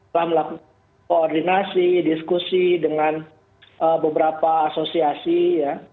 telah melakukan koordinasi diskusi dengan beberapa asosiasi ya